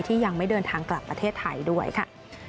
ยังไม่เดินทางกลับประเทศไทยด้วยค่ะ